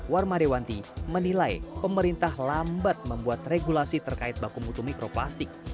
warma dewanti menilai pemerintah lambat membuat regulasi terkait baku mutu mikroplastik